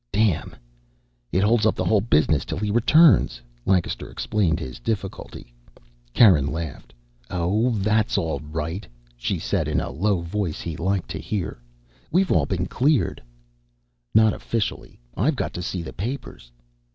"Damn! It holds up the whole business till he returns." Lancaster explained his difficulty. Karen laughed. "Oh, that's all right," she said in the low voice he liked to hear. "We've all been cleared." "Not officially. I've got to see the papers."